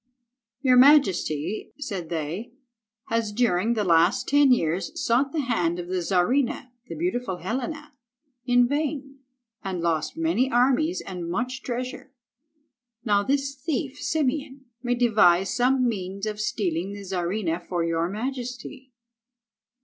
"Your majesty," said they, "has during the last ten years sought the hand of the Czarina, the beautiful Helena, in vain, and lost many armies and much treasure. Now this thief, Simeon, may devise some means of stealing the Czarina for your Majesty."